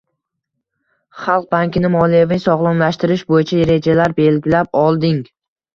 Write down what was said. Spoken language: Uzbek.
Xalq bankini moliyaviy sog‘lomlashtirish bo‘yicha rejalar belgilab olinding